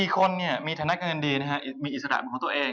๔คนมีฐานะเงินดีนะท่ะค่ะมีอิสระของตัวเอง